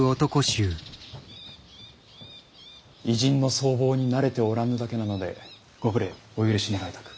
異人の相貌に慣れておらぬだけなのでご無礼お許し願いたく。